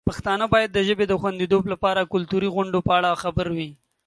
پښتانه باید د ژبې د خوندیتوب لپاره د کلتوري غونډو په اړه خبر وي.